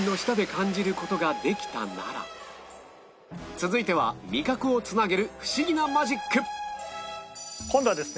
続いては味覚をつなげるフシギなマジック今度はですね